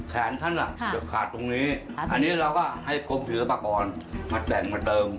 แขนท่านล่ะจะขาดตรงนี้อันนี้เราก็ให้คมถือประกอบมาแต่งมาเติม